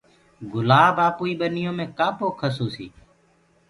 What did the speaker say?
گُلآب آپوئي ٻنيو مي ڪآ پوکس هوسي